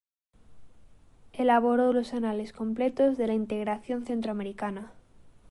Elaboró los Anales completos de la Integración Centroamericana.